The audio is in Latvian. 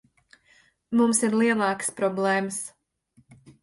Mums ir lielākas problēmas.